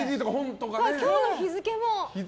今日の日付も。